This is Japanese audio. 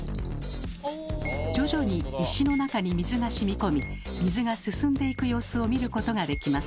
徐々に石の中に水がしみこみ水が進んでいく様子を見ることができます。